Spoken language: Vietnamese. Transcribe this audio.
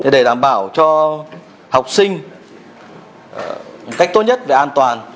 để đảm bảo cho học sinh một cách tốt nhất về an toàn